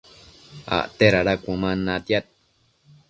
acte dada cuëman natiad